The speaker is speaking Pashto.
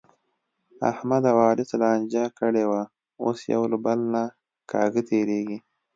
احمد او علي څه لانجه کړې وه، اوس یو له بل نه کاږه تېرېږي.